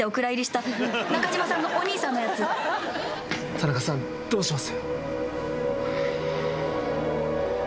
田中さんどうします？